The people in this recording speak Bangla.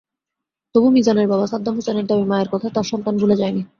তবু মিজানের বাবা সাদ্দাম হোসেনের দাবি, মায়ের কথা তার সন্তান ভুলে যায়নি।